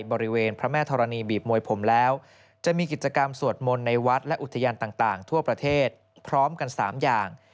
บริเวณพระแม่ธรณีบีบมวยผมแล้วจะมีกิจกรรมสวดมนต์ในวัดและอุทยานต่างทั่วประเทศพร้อมกัน๓อย่าง